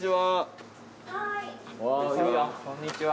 こんにちは。